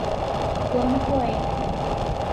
Plano Cohen